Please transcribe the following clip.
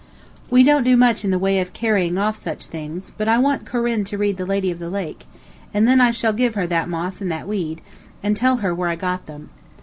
We don't do much in the way of carrying off such things, but I want Corinne to read the "Lady of the Lake," and then I shall give her that moss and that weed, and tell where I got them.